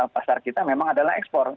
pasar kita memang adalah ekspor